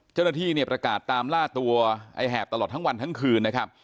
เจ้าหน้าที่เนี่ยประกาศตามล่าตัวไอ้แหบตลอดทั้งวันทั้งคืนนะครับ